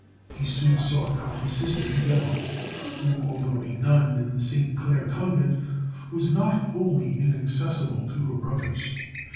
He soon sought out his sister Hebele, who, although a nun in the St. Claire Convent, was not wholly inaccessible to her brothers.